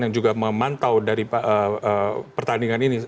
yang juga memantau dari pertandingan ini